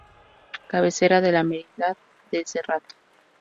Cabecera de la Merindad de Cerrato.